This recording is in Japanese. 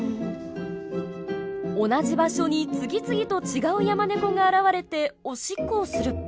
同じ場所に次々と違うヤマネコが現れてオシッコをする。